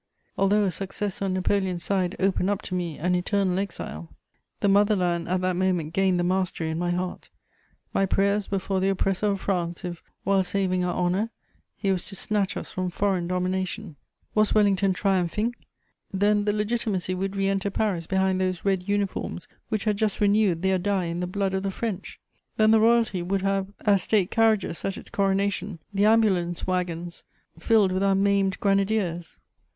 Although a success on Napoleon's side opened up to me an eternal exile, the mother land at that moment gained the mastery in my heart; my prayers were for the oppressor of France, if, while saving our honour, he was to snatch us from foreign domination. Was Wellington triumphing? Then the Legitimacy would re enter Paris behind those red uniforms which had just renewed their die in the blood of the French! Then the royalty would have as state carriages at its coronation the ambulance waggons filled with our maimed grenadiers!